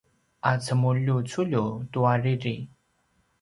a cemuljuculju tua riri